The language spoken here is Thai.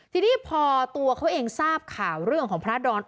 ทีนี้พอตัวเขาเองทราบข่าวเรื่องของพระดอน